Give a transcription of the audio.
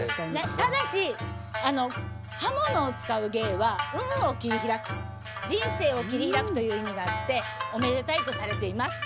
ただし刃物を使う芸は運を切り開く人生を切り開くという意味があっておめでたいとされています。